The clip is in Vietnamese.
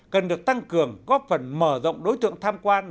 cần được tăng cường góp phần mở rộng đối tượng tham quan